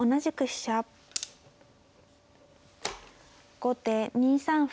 後手２三歩。